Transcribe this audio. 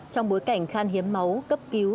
trong bối cảnh khan hiến máu cấp cứu